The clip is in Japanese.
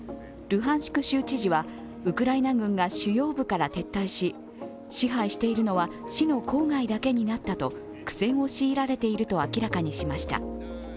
ルハンシク州知事はウクライナ軍が主要部から撤退し、支配しているのは市の郊外だけになったと苦戦を強いられていると明らかにしました。